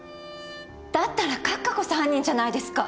だったら閣下こそ犯人じゃないですか。